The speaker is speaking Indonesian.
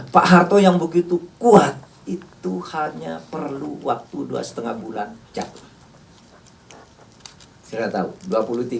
pak harto yang begitu kuat itu hanya perlu waktu dua lima bulan jatuh